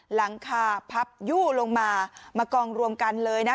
หลังคาพับยู่ลงมามากองรวมกันเลยนะ